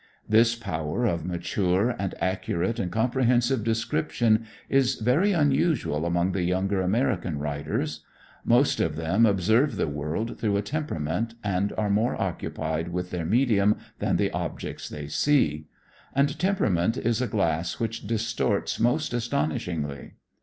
This power of mature, and accurate and comprehensive description is very unusual among the younger American writers. Most of them observe the world through a temperament, and are more occupied with their medium than the objects they see. And temperament is a glass which distorts most astonishingly.